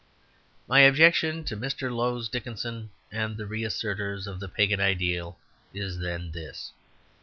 My objection to Mr. Lowes Dickinson and the reassertors of the pagan ideal is, then, this.